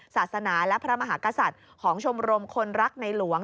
ศาสนาและพระมหากษัตริย์ของชมรมคนรักในหลวง